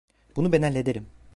Bunu ben hallederim.